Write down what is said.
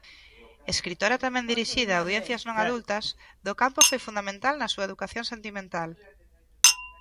Escritora tamén dirixida a audiencias non adultas, Do Campo foi fundamental na súa educación sentimental.